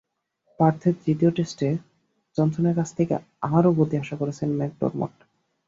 পার্থের তৃতীয় টেস্টে জনসনের কাছ থেকে আরও গতি আশা করছেন ম্যাকডরমট।